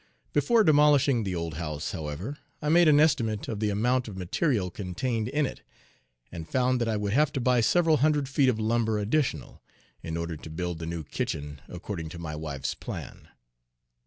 Before demolishing the old house, however, I made an estimate of the amount of material contained in it, and found that I would have to buy several hundred feet of lumber additional, in order to build the new kitchen according to my wife's plan.